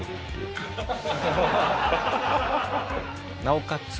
なおかつ